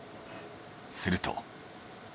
すると。